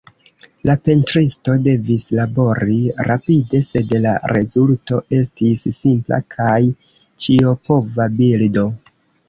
La pentristo devis labori rapide, sed la rezulto estis simpla kaj ĉiopova bildo.